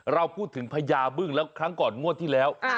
เราพูดถึงพญาบึ้งแล้วครั้งก่อนงวดที่แล้ว